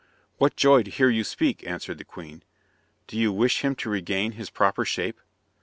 "What joy to hear you speak!" answered the queen. "Do you wish him to regain his proper shape?"